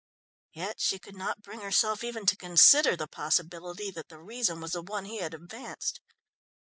Yet she could not bring herself even to consider the possibility that the reason was the one he had advanced.